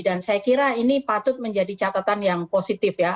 dan saya kira ini patut menjadi catatan yang positif ya